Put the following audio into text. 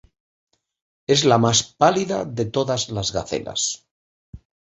Es la más pálida de todas las gacelas.